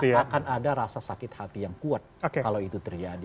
akan ada rasa sakit hati yang kuat kalau itu terjadi